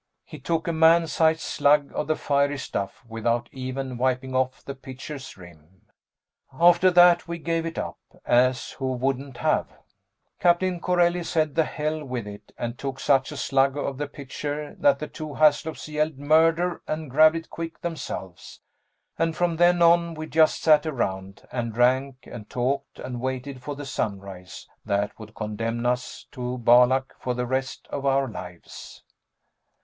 He took a man sized slug of the fiery stuff without even wiping off the pitcher's rim. After that we gave it up, as who wouldn't have? Captain Corelli said the hell with it and took such a slug out of the pitcher that the two Haslops yelled murder and grabbed it quick themselves, and from then on we just sat around and drank and talked and waited for the sunrise that would condemn us to Balak for the rest of our lives.